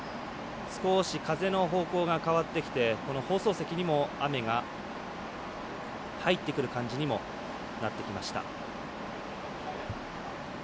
少し風の方向が変わってきて放送席にも雨が入ってくる感じにもなってきました。